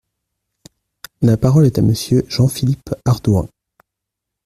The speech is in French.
La parole est à Monsieur Jean-Philippe Ardouin.